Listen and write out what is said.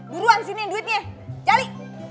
buruan siniin duitnya jali